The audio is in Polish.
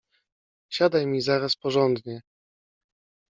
Siadaj mi zaraz porządnie!